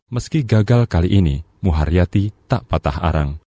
meski gagal kali ini muharyati tak patah arang